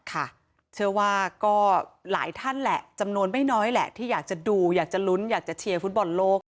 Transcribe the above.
เชื่อว่าก็หลายท่านแหละจำนวนไม่น้อยแหละที่อยากจะดูอยากจะลุ้นอยากจะเชียร์ฟุตบอลโลก